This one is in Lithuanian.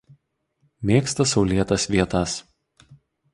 Mėgsta saulėtas vietas.